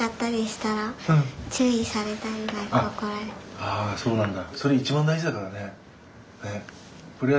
ああそうなんだ。